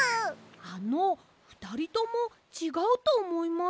あのふたりともちがうとおもいます。